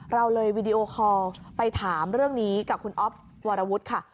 เราเลยวีดีโอคอลไปถามเรื่องนี้กับคุณอ๊อฟวรวุฒิค่ะ